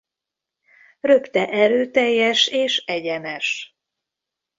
Röpte erőteljes és egyenes.